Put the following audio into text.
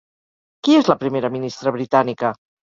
Qui és la primera ministra britànica?